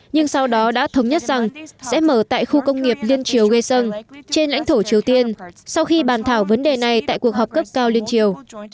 nhưng sau đó đã thống nhất rằng sẽ mở tại khu công nghiệp liên triều gheson trên lãnh thổ triều tiên sau khi bàn thảo vấn đề này tại cuộc họp cấp cao liên triều